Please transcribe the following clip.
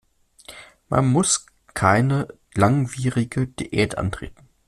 Man muss keine langwierige Diät antreten.